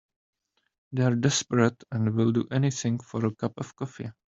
They're desperate and will do anything for a cup of coffee.